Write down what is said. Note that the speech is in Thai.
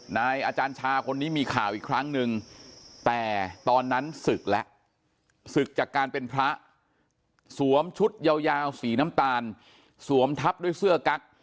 อาจารย์ชาคนนี้มีข่าวอีกครั้งนึงแต่ตอนนั้นศึกแล้วศึกจากการเป็นพระสวมชุดยาวสีน้ำตาลสวมทับด้วยเสื้อกั๊ก